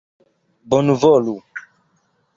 Bonvolu!